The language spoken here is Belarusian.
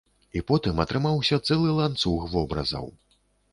І потым атрымаўся цэлы ланцуг вобразаў.